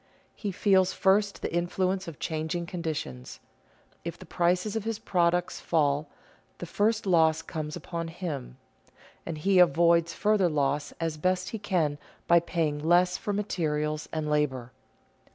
He feels first the influence of changing conditions. If the prices of his products fall, the first loss comes upon him, and he avoids further loss as best he can by paying less for materials and labor.